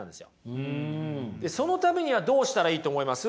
そのためにはどうしたらいいと思います？